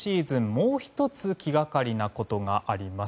もう１つ気がかりなことがあります。